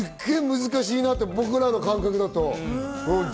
難しいなって、僕らの感覚だと。